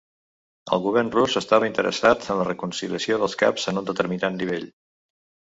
El govern rus estava interessat en la reconciliació dels caps en un determinat nivell.